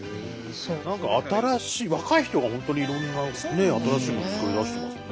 何か新しい若い人が本当にいろんな新しいものを作り出してますね。